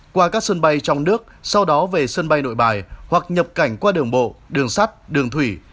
qua các sân bay trong nước sau đó về sân bay nội bài hoặc nhập cảnh qua đường bộ đường sắt đường thủy